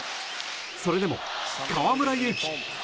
それでも河村勇輝。